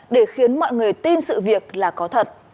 để khiến mọi người tin sự việc là có thật